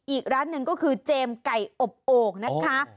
อีกร้านหนึ่งก็คือเจมส์ไก่อบโอ่งนะคะ